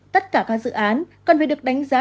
tất cả các dự án còn phải được đánh giá